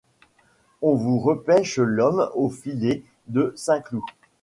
on vous repêche l’homme aux filets de Saint-Cloud.